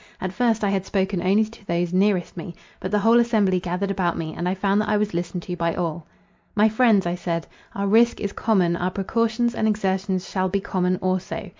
At first, I had spoken only to those nearest me; but the whole assembly gathered about me, and I found that I was listened to by all. "My friends," I said, "our risk is common; our precautions and exertions shall be common also.